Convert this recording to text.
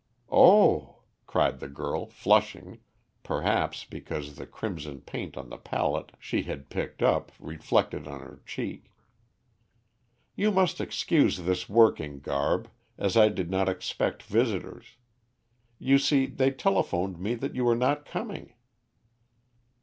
"Oh," cried the girl, flushing, perhaps, because the crimson paint on the palette she had picked up reflected on her cheek. "You must excuse this working garb, as I did not expect visitors. You see, they telephoned me that you were not coming."